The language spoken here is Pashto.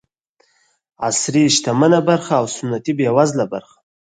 عصري شتمنه برخه او سنتي بېوزله برخه.